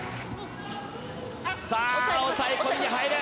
さあ、抑え込みに入る。